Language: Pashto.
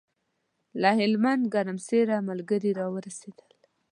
له هلمند ګرمسېره ملګري راورسېدل.